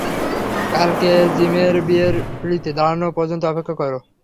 কালকে জিমেরবিয়ের পিড়িতে দাঁড়ানো পর্যন্ত অপেক্ষা করো।